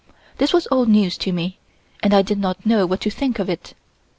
This was all news to me and I did not know what to think of it.